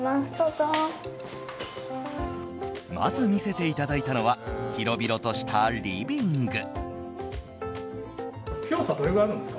まず見せていただいたのは広々としたリビング。